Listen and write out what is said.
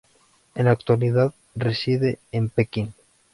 En la actualidad reside en Pekín.